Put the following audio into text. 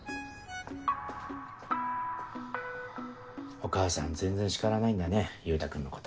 お母さん全然叱らないんだね優太君のこと。